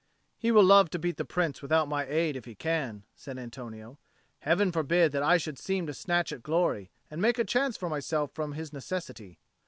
"He will love to beat the Prince without my aid, if he can," said Antonio. "Heaven forbid that I should seem to snatch at glory, and make a chance for myself from his necessity."